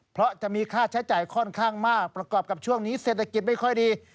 เพราะจะมีค่าใช้จ่ายค่อนข้างมากประกอบกับช่วงนี้เศรษฐกิจไม่ค่อยดี